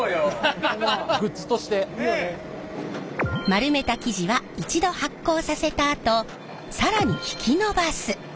丸めた生地は一度発酵させたあと更に引き伸ばす。